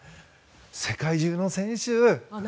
世界中の選手。